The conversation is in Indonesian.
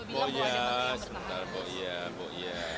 pok ya sebentar pok ya pok ya